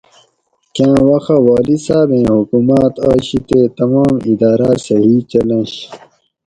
کاٞں وخہ والی صاٞبیں حُکوماٞت آشی تے تمام اِداٞراٞ صحیح چلنش